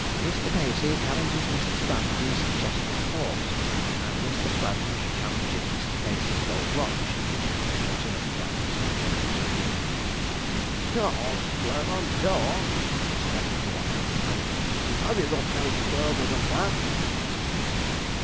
'Mr. Pacey challenges Mr. Sponge's chestnut horse, and Mr. Sponge challenges Mr. Pacey's gold watch,' observed Jack sententiously. 'Come, old Slowman, go on!' exclaimed Guano, adding, 'have you got no further than that?'